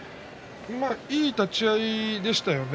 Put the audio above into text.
いい立ち合いでしたよね。